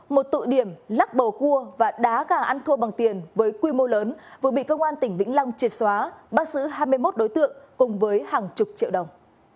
một tụ điểm lắc bầu cua và đá gà ăn thua bằng tiền với quy mô lớn vừa bị công an tỉnh vĩnh long triệt xóa bắt giữ hai mươi một đối tượng cùng với hàng chục triệu đồng